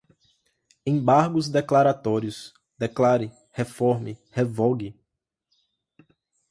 embargos declaratórios, declare, reforme, revogue